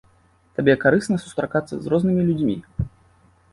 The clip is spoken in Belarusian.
Табе карысна сустракацца з рознымі людзьмі.